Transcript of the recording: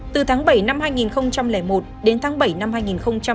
từ tháng bảy năm hai nghìn một đến tháng bảy năm hai nghìn sáu